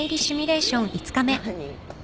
何？